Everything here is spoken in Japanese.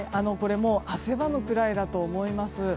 これは汗ばむくらいだと思います。